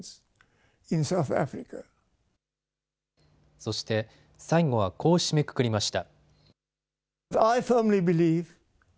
そして、最後はこう締めくくりました。